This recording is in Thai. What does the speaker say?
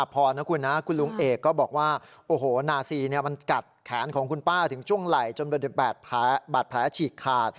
เพราะเขาเป็นคนรักหมา